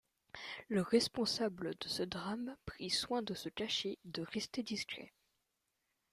Le responsable de ce drame prit soin de se cacher et de rester discret.